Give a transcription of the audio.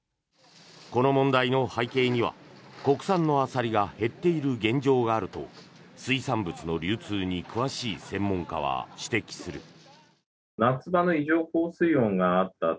この問題の背景には国産のアサリが減っている現状があると水産物の流通に詳しい専門家は指摘する。